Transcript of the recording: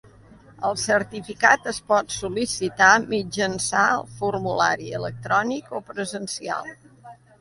El certificat es pot sol·licitar mitjançant formulari electrònic o presencial.